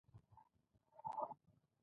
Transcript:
دا په ټولو مخلوقاتو ده ډېره سخته ده.